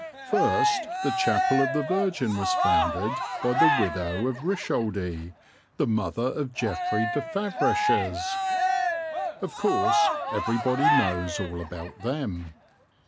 First the Chapel of the Virgin was founded by the widow of Richoldie, the mother of Geoffrey de Favraches. (Of course everybody knows all about them!)